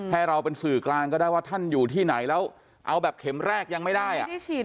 ให้เราเป็นสื่อกลางก็ได้ว่าท่านอยู่ที่ไหนแล้วเอาแบบเข็มแรกยังไม่ได้ฉีด